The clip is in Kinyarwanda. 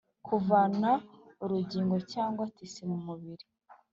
Kuvana urugingo cyangwa tisi mu mubiri